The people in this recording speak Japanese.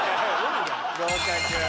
合格。